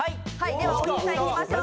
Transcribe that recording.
では大西さんいきましょう。